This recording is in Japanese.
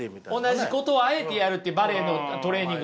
同じことをあえてやるってバレエのトレーニングとかでも。